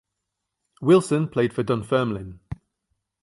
Wilson played for Dunfermline.